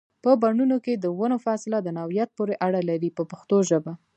په بڼونو کې د ونو فاصله د نوعیت پورې اړه لري په پښتو ژبه.